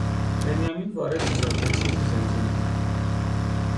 بنیامین وارد میشود و چیزی زمزمه میکند